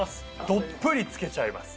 どっぷりつけちゃいます。